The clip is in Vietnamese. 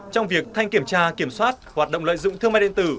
trong việc thanh kiểm tra kiểm soát hoạt động lợi dụng thương mại điện tử